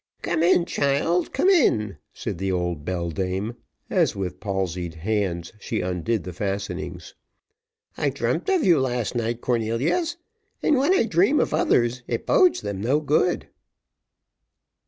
"Come in, child, come in," said the old beldame, as with palsied hands she undid the fastenings. "I dreamt of you, last night, Cornelius, and when I dream of others it bodes them no good."